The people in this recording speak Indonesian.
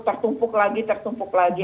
tersumpuk lagi tersumpuk lagi